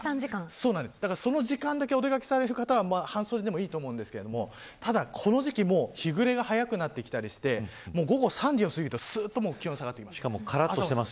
その時間だけお出掛けされる方は半袖でもいいと思いますがただ、この時期も日暮れが早くなってきたりして午後３時を過ぎると気温が下がってきます。